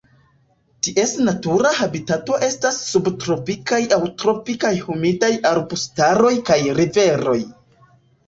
Ties natura habitato estas subtropikaj aŭ tropikaj humidaj arbustaroj kaj riveroj.